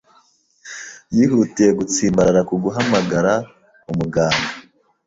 Yihutiye gutsimbarara ku guhamagara umuganga.